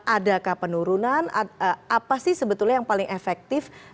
adakah penurunan apa sih sebetulnya yang paling efektif